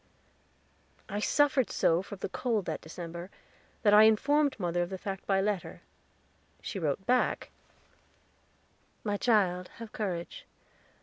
I suffered so from the cold that December that I informed mother of the fact by letter. She wrote back: "My child, have courage.